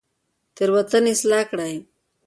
تېروتنې اصلاح کړئ.